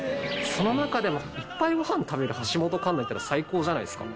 その中でもいっぱいご飯食べる橋本環奈いたら最高じゃないですか。